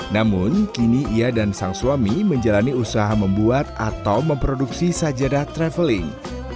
namun kini ia dan sang suami menjalani usaha membuat atau memproduksi sajadah traveling